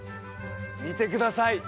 見てください